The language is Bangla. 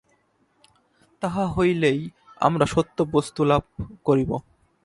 তাহা হইলেই আমরা সত্য বস্তু লাভ করিব।